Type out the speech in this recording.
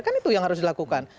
kan itu yang harus dilakukan